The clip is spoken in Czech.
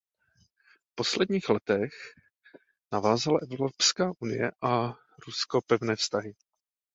V posledních letech navázala Evropská unie a Rusko pevné vztahy.